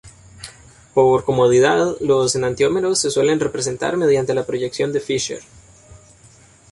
Por comodidad, los enantiómeros se suelen representar mediante la proyección de Fischer.